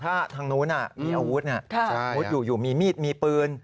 ถ้าทางโน้นมีอาวุธอยู่มีมีดมีปืน